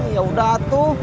ya udah atu